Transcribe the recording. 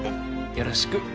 よろしく。